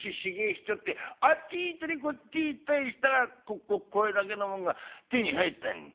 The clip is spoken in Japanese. ひっちょってあっち行ったりこっち行ったりしたからこっこっこれだけのもんが手に入ったんだ。